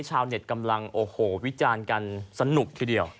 ชาวเนสกำลังวิจารณ์กันสนุกทีเดียว